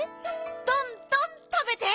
どんどんたべて！